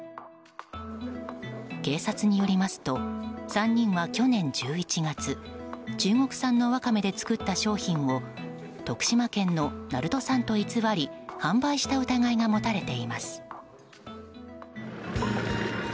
警察によりますと３人は去年１１月中国産のワカメで作った商品を徳島県の鳴門産を偽り販売した疑いが持たれています。